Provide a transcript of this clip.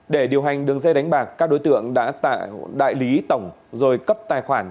để điều hành đường dây đánh bạc các đối tượng đã đại lý tổng rồi cấp tài khoản